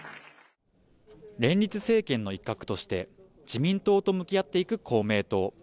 連立政権の一角として自民党と向き合っていく公明党。